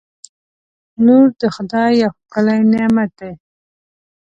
• لور د خدای یو ښکلی نعمت دی.